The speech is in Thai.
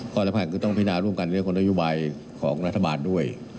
ข้อในภาคคือต้องพิจารณาร่วมกันเรียกว่าโยบายของรัฐบาลด้วย